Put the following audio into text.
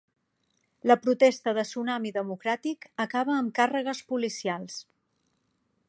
La protesta de Tsunami Democràtic acaba amb càrregues policials.